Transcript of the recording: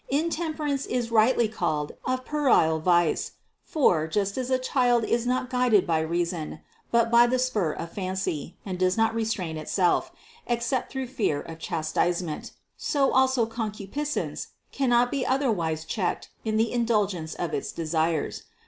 Intemperance is rightly called a puerile vice ; for, just as a child is not guided by reason, but by the spur of fancy, and does not restrain itself, except through fear of chastisement, so also con cupiscence cannot otherwise be checked in the indulgence of its desires.